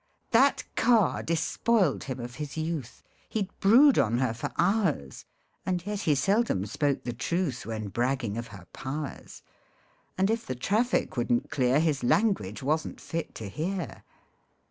That car despoiled him of his youth, He'd brood on her for hours, And yet he seldom spoke the truth When bragging of her powers ; And if the traffic wouldn't clear His language wasn't fit to hear.